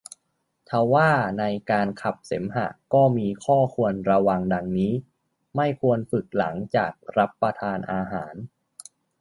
ทว่าในการขับเสมหะก็มีข้อควรระวัง ดังนี้ ไม่ควรฝึกหลังจากรับประทานอาหาร